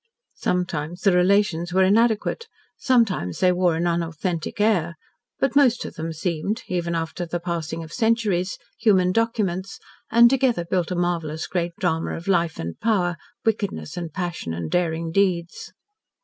Sometimes the relations were inadequate, sometimes they wore an unauthentic air, but most of them seemed, even after the passing of centuries, human documents, and together built a marvellous great drama of life and power, wickedness and passion and daring deeds.